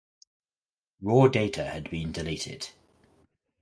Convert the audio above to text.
Raw data had been deleted.